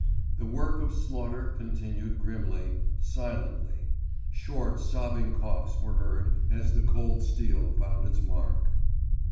The work of slaughter continued grimly, silently: short sobbing coughs were heard as the cold steel found its mark.